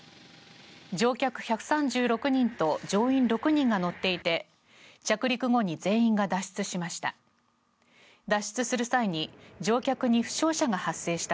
乗客１３６人と乗員６人が乗っていて着陸後に全員が脱出しました。